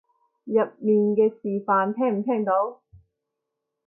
入面嘅示範聽唔聽到？